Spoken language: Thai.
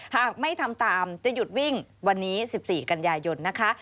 หากไม่ทำตามจะหยุดวิ่งวันนี้๑๔กันยายนนะคะ